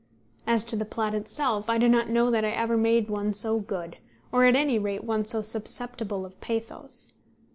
As to the plot itself, I do not know that I ever made one so good, or, at any rate, one so susceptible of pathos.